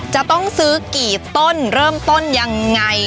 จะต้องซื้อกี่ต้นเริ่มต้นยังไง